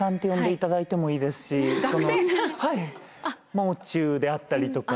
もう中であったりとか。